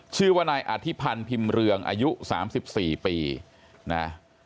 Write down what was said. ชื่อว่านายอธิพันธ์พิมพ์เรืองอายุ๓๔ปีนะ